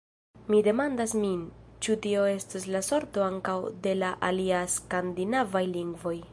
Mi demandas min, ĉu tio estos la sorto ankaŭ de la aliaj skandinavaj lingvoj.